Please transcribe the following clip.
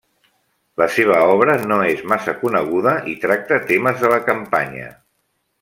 La seva obra no és massa coneguda i tracta temes de la campanya.